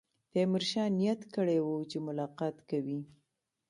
تیمورشاه نیت کړی وو چې ملاقات کوي.